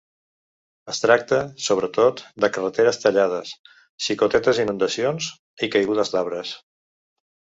Es tracta, sobretot, de carreteres tallades, xicotetes inundacions i caigudes d’arbres.